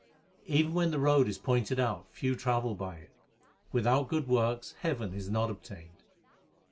Even when the road is pointed out, few travel by it. Without good works heaven is not obtained.